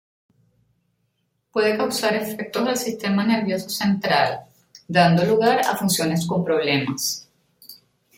Puede causar efectos al sistema nervioso central, dando lugar a funciones con problemas.